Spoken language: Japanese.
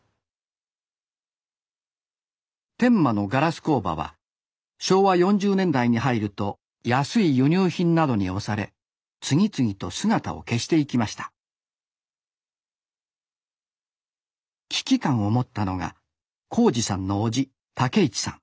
天満のガラス工場は昭和４０年代に入ると安い輸入品などに押され次々と姿を消していきました危機感を持ったのが孝次さんの叔父武一さん